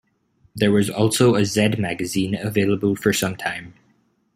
There was also a Z magazine available for some time.